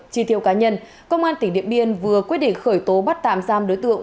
tri thiêu cá nhân công an tỉnh điện biên vừa quyết định khởi tố bắt tạm giam đối tượng